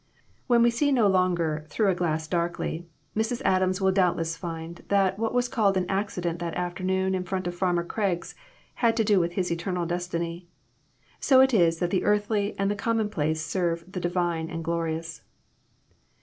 When we see no longer "through a glass darkly," Mrs. Adams will doubtless find that what was called an accident that afternoon in front of Farmer Craig's, had to do with his eter nal destiny. So it is that the earthly and the ' commonplace serve the divine and glorious.